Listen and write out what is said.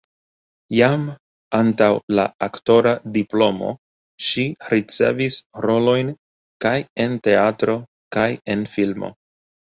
Jam antaŭ la aktora diplomo ŝi ricevis rolojn kaj en teatro, kaj en filmo.